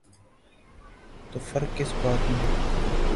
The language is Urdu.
تو فرق کس بات میں ہے؟